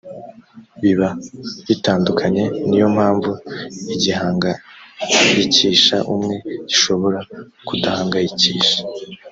biba bitandukanye ni yo mpamvu igihangayikisha umwe gishobora kudahangayikisha